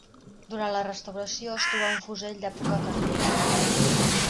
Durant la restauració es trobà un fusell d'època carlina.